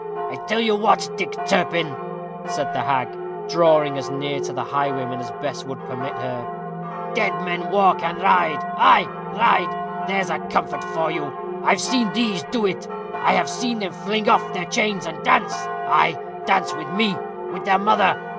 I tell you what, Dick Turpin," said the hag, drawing as near to the highwayman as Bess would permit her; "dead men walk and ride ay, ride! there's a comfort for you. I've seen these do it. I have seen them fling off their chains, and dance ay, dance with me with their mother.